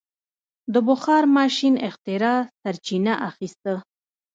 د بخار ماشین اختراع سرچینه اخیسته.